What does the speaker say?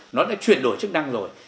nó đã chuyển đổi chức năng rồi